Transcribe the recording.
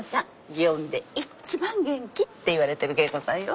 祇園で一番元気っていわれてる芸妓さんよ。